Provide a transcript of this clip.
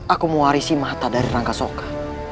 aku mewarisi mata dari rangkasoka